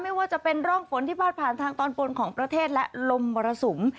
ไม่ว่าจะเป็นร่องฝนที่พาดผ่านทางตอนบนของประเทศและลมมรสุม